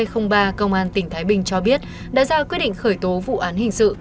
công an tỉnh thái bình cho biết đã ra quyết định khởi tố vụ án hình sự